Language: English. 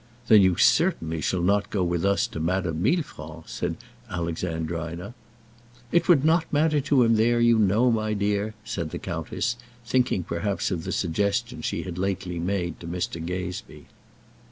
"Then you certainly shall not go with us to Madame Millefranc's," said Alexandrina. "It would not matter to him there, you know, my dear," said the countess, thinking perhaps of the suggestion she had lately made to Mr. Gazebee.